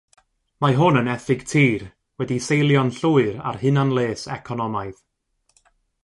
Mae hwn yn ethig tir wedi'i seilio'n llwyr ar hunan-les economaidd.